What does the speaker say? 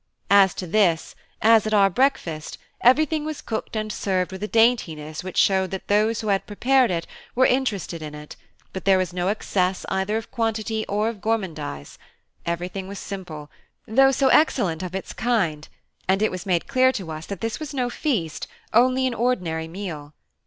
As to this, as at our breakfast, everything was cooked and served with a daintiness which showed that those who had prepared it were interested in it; but there was no excess either of quantity or of gourmandise; everything was simple, though so excellent of its kind; and it was made clear to us that this was no feast, only an ordinary meal.